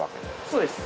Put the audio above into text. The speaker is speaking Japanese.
そうです。